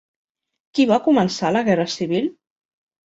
Qui va començar la Guerra Civil?